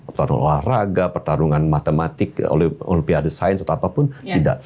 pertarungan olahraga pertarungan matematik olimpiade sains atau apapun tidak